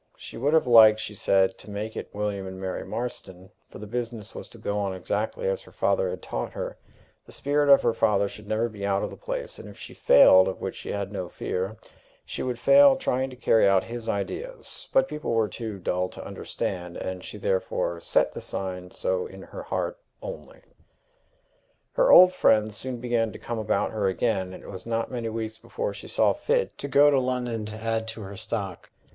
She would have liked, she said, to make it William and Mary Marston; for the business was to go on exactly as her father had taught her; the spirit of her father should never be out of the place; and if she failed, of which she had no fear, she would fail trying to carry out his ideas but people were too dull to understand, and she therefore set the sign so in her heart only. Her old friends soon began to come about her again, and it was not many weeks before she saw fit to go to London to add to her stock.